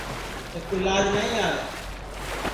چکُو لاج نائی آوے